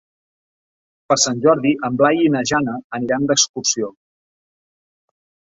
Per Sant Jordi en Blai i na Jana aniran d'excursió.